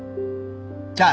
じゃああ